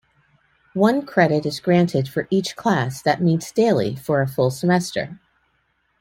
One credit is granted for each class that meets daily for a full semester.